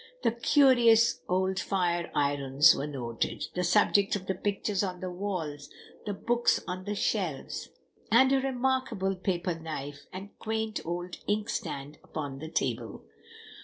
The curious old fire irons were noted, the subjects of the pictures on the walls, the books on the shelves, and a remarkable paper knife and quaint old inkstand upon the table.